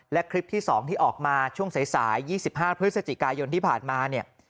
และคลิปที่๒ที่ออกมาช่วงสาย๒๕พฤศจิกายนที่ผ่านมาเนี่ย